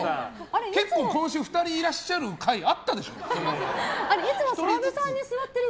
結構、今週２人いらっしゃる回あったでしょ。